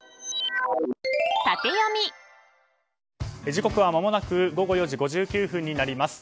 時刻はまもなく４時５９分になります。